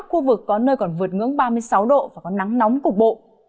khu vực có nơi còn vượt ngưỡng ba mươi sáu độ và có nắng nóng cục bộ